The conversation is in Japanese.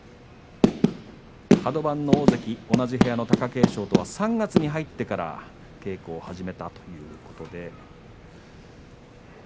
カド番の大関、同じ部屋の貴景勝とは３月に入ってから稽古を始めたということです。